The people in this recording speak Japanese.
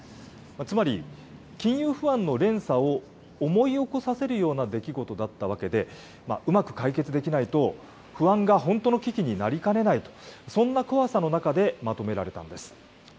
つまり、金融不安の連鎖を思い起こさせるような出来事だったわけで、うまく解決できないと、不安が本当の危機になりかねないと、そんな怖さの中でまとめられたんです。